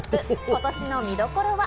今年の見どころは？